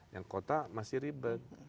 yang kota masih ribet